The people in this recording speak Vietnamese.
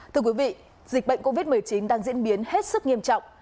thưa quý vị dịch bệnh covid một mươi chín đang diễn biến hết sức nghiêm trọng